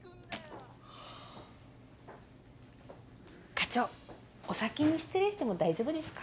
課長お先に失礼しても大丈夫ですか？